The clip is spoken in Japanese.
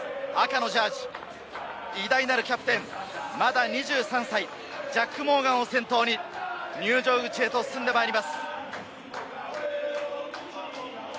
赤のジャージー、偉大なるキャプテン、まだ２３歳、ジャック・モーガンを先頭に入場口へと進んでいます。